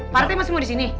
pak rete masih mau di sini